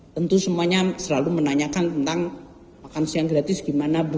tentu semuanya selalu menanyakan tentang makan siang gratis gimana bu